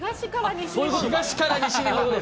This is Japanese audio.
東から西日本か。